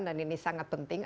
dan ini sangat penting